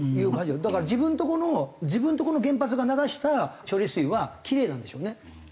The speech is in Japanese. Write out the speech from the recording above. だから自分のとこの自分のとこの原発が流した処理水はキレイなんでしょうね。